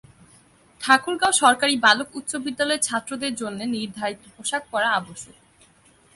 ঠাকুরগাঁও সরকারি বালক উচ্চ বিদ্যালয়ে ছাত্রদের জন্য নির্ধারিত পোশাক পরা আবশ্যক।